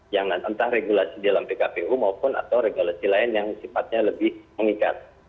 yang entah regulasi dalam pkpu maupun atau regulasi lain yang sifatnya lebih mengikat